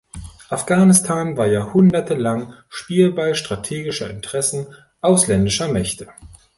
Afghanistan war Jahrhunderte lang Spielball strategischer Interessen ausländischer Mächte.